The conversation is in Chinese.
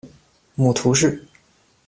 母涂氏。